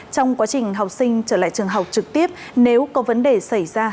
trong quá trình học sinh trở lại trường học trực tiếp nếu có vấn đề xảy ra